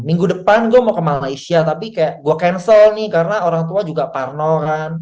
minggu depan gue mau ke malaysia tapi kayak gue cancel nih karena orang tua juga parno kan